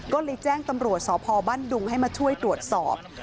ก็เลยแจ้งตำรวจสพบ้านดุงให้มาช่วยตรวจสอบ